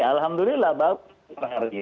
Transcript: alhamdulillah bahwa kita berdiri